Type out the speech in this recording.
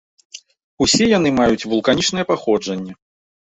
Усе яны маюць вулканічнае паходжанне.